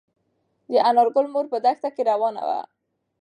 د انارګل مور په دښته کې روانه وه.